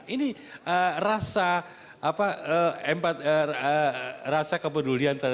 ini rasa kepedulian terhadap